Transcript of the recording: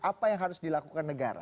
apa yang harus dilakukan negara